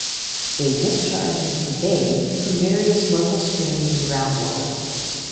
They discharge into the bay from various local streams and groundwater.